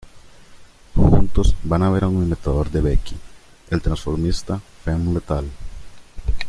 Juntos van a ver a un imitador de Becky, el transformista Femme Letal.